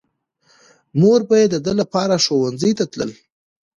مور به يې د ده لپاره ښوونځي ته تله.